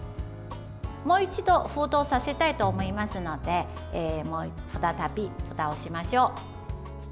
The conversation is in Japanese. もう一度、沸騰させたいと思いますので再び、ふたをしましょう。